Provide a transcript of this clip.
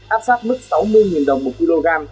áp sát mức sáu mươi đồng một kg